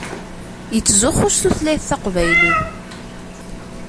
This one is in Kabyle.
Yettzuxxu s tutlayt taqbaylit.